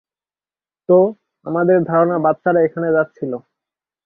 তো, আমাদের ধারণা বাচ্চারা এখানে যাচ্ছিল।